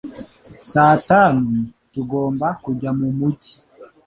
Saa tanu, tugomba kujya mu mujyi